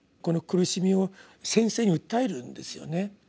この苦しみを先生に訴えるんですよね。